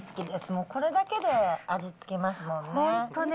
もうこれだけで味付けますもんね。